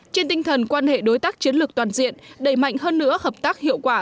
trên tinh thần quan hệ đối tác chiến lược toàn diện đẩy mạnh hơn nữa hợp tác hiệu quả